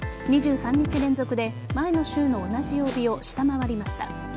２３日連続で前の週の同じ曜日を下回りました。